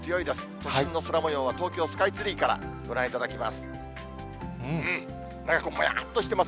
都心の空もようは東京スカイツリーからご覧いただきます。